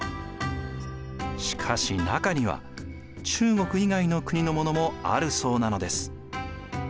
しかし中には中国以外の国のものもあるそうなのです。